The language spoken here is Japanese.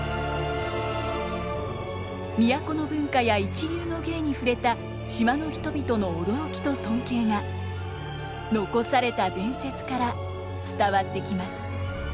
都の文化や一流の芸に触れた島の人々の驚きと尊敬が残された伝説から伝わってきます。